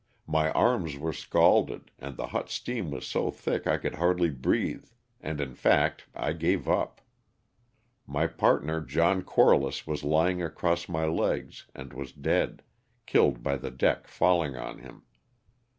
My arms were scalded and the hot steam was so thick I could hardly breathe, and in fact I gave up. My partner, John Corliss, was ly ing across my legs and was dead, killed by the deck falling on him.